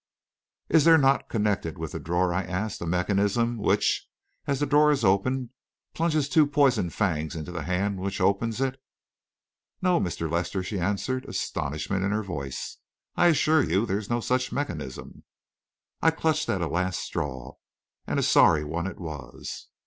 "Is there not, connected with the drawer," I asked, "a mechanism which, as the drawer is opened, plunges two poisoned fangs into the hand which opens it?" "No, Mr. Lester," she answered, astonishment in her voice, "I assure you there is no such mechanism." I clutched at a last straw, and a sorry one it was!